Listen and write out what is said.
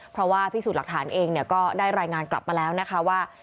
เพราะว่าพิสูจน์หลักฐานเองก็ได้รายงานกลับมาแล้วนะคะว่า